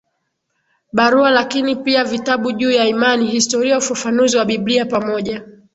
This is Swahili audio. barua lakini pia vitabu juu ya imani historia ufafanuzi wa Biblia pamoja